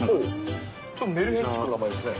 ちょっとメルヘンチックな名前ですね。